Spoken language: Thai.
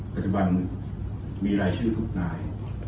ปัจจุบันมีรายชื่อทุกนาย